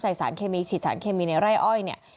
สารเคมีฉีดสารเคมีในไร่อ้อยเนี่ย